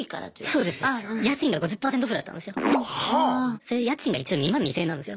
それで家賃が一応２万２０００円なんですよ。